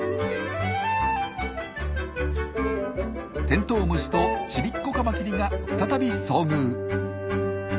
テントウムシとちびっこカマキリが再び遭遇。